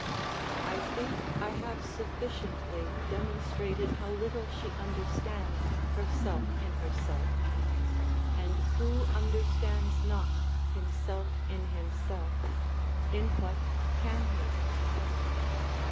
I think I have sufficiently demonstrated how little she understands herself in herself; and who understands not himself in himself, in what can he?